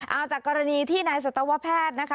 เอาจากกรณีที่นายสัตวแพทย์นะคะ